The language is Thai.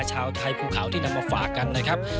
พูดข่าวไทยพูดข่าวที่นำมาฝากกันนะครับ